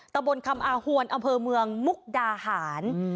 ตะบนคำอาหวนอำเภอเมืองมุกดาหาร